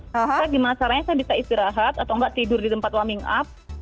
kita gimana caranya saya bisa istirahat atau enggak tidur di tempat warming up